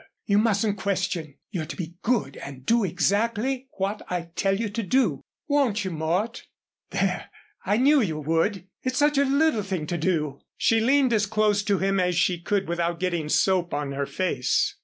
You mustn't question, you're to be good and do exactly what I tell you to do. Won't you, Mort? There, I knew you would. It's such a little thing to do." She leaned as close to him as she could without getting soap on her face.